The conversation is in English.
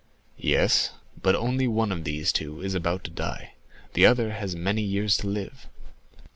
"Yes; but only one of these two is about to die; the other has many years to live."